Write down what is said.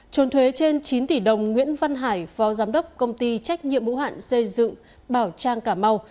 trồn thuế trên chín tỷ đồng nguyễn văn hải phó giám đốc công ty trách nhiệm bũ hạn xây dựng bảo trang cà mau